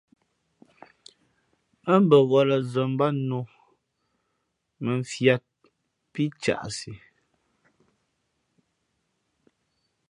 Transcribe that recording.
Ά bαwᾱlᾱ zᾱ mbát nnǔ mα fiāt pí caʼsi.